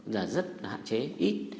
và rất là hạn chế ít